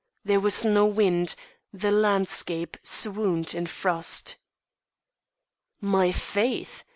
There was no wind; the landscape swooned in frost. "My faith!